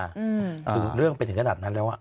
คือเรื่องเป็นจืนขนาดนั้นแล้ว